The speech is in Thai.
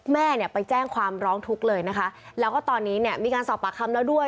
แม่ไปแจ้งความร้องทุกเลยแล้วก็ตอนนี้มีการสอบปากคำแล้วด้วย